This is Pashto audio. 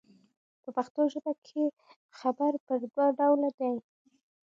په پښتو ژبه کښي خبر پر دوه ډوله دئ.